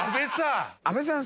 阿部さん